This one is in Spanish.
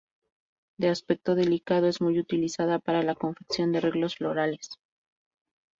De aspecto delicado, es muy utilizada para la confección de arreglos florales.